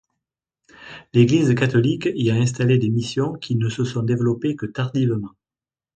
L'Église catholique y a installé des missions qui ne se sont développées que tardivement.